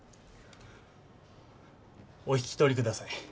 お引き取りください。